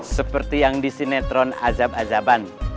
seperti yang di sinetron azab azaban